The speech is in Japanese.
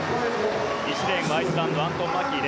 １レーンはアイスランドのアントン・マキー。